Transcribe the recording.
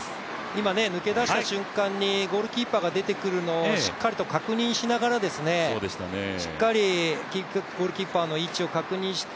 今、抜け出した瞬間にゴールキーパーが出てくるのをしっかり確認しながらしっかりゴールキーパーの位置を確認して、